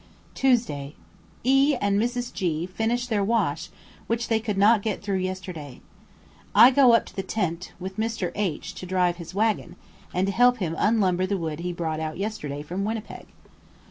Tuesday. E and Mrs. G finish their wash which they could not get through yesterday. I go up to the tent, with Mr. H to drive his waggon, and help to unlumber the wood he brought out yesterday from Winnipeg.